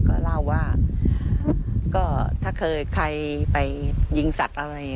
ก็เล่าว่าก็ถ้าเคยใครไปยิงสัตว์อะไร